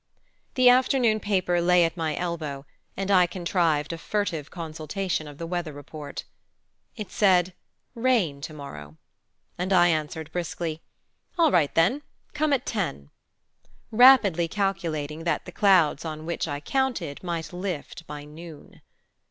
The afternoon paper lay at my elbow and I contrived a furtive consultation of the weather report. It said "Rain to morrow," and I answered briskly: "All right, then; come at ten" rapidly calculating that the clouds on which I counted might lift by noon.